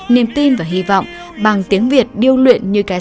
niềm tin và hy vọng bằng tiếng việt điêu luyện như cảnh sát